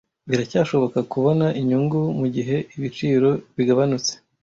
Biracyashoboka kubona inyungu mugihe ibiciro bigabanutse.